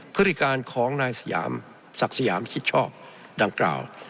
พฤติการของนายสยามศักดิ์สยามชิดชอบดังกล่าว